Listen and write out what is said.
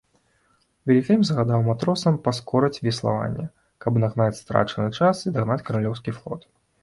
Вільгельм загадаў матросам паскорыць веславанне, каб нагнаць страчаны час і дагнаць каралеўскі флот.